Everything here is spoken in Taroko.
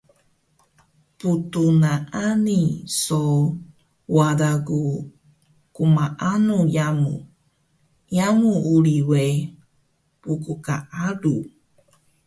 Ptnaani so wada ku gmaalu yamu, yamu uri we pggaalu